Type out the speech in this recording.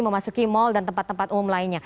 memasuki mal dan tempat tempat umum lainnya